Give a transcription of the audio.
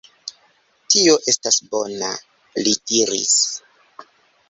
Tio estas bona, li diris.